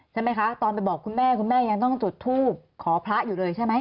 ใช่ไหมคะตอนไปบอกคุณแม่คุณแม่ยังต้องจุดทูบขอพระอยู่เลยใช่ไหม